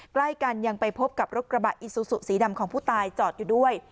ใกล้กันยังไปพบกับรถกระบะอิซูซูสีดำของผู้ตายจอดอยู่ด้วย